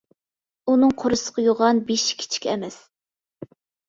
ئۇنىڭ قورسىقى يوغان، بېشى كىچىك ئەمەس.